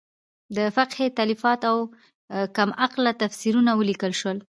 د فقهې تالیفات او کم عمقه تفسیرونه ولیکل شول.